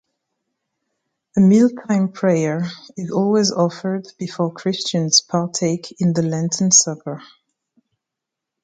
A Mealtime Prayer is always offered before Christians partake in the Lenten supper.